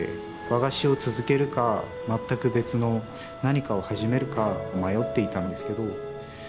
和菓子を続けるか全く別の何かを始めるか迷っていたんですけど。